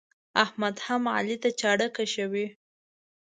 احمد هم علي ته چاړه کښوي.